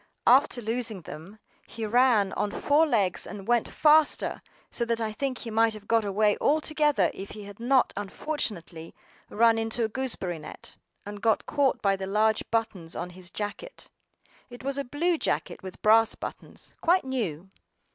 AFTER losing them, he ran on four legs and went faster, so that I think he might have got away altogether if he had not unfortunately run into a gooseberry net, and got caught by the large buttons on his jacket. It was a blue jacket with brass buttons, quite new.